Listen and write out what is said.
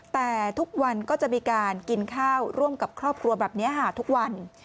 แต่ทุกวันก็จะมีการกินข้าวร่วมกับครอบครัวแบบนี้ค่ะทุกวัน